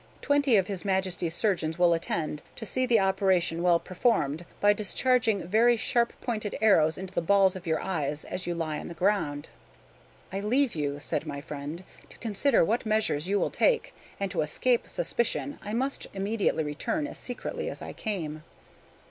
Twenty of his Majesty's surgeons will attend, to see the operation well performed, by discharging very sharp pointed arrows into the balls of your eyes as you lie on the ground. "I leave you," said my friend, "to consider what measures you will take; and, to escape suspicion, I must immediately return, as secretly as I came."